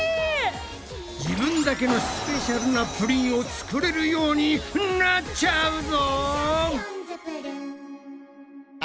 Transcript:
自分だけのスペシャルなプリンを作れるようになっちゃうぞ！